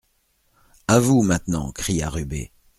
A vous maintenant, cria Rubé.